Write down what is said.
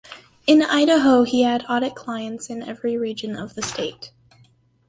In Idaho he had audit clients in every region of the state.